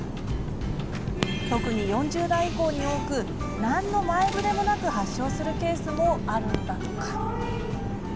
特に４０代以降に多く何の前触れもなく発症するケースもあるんだとか。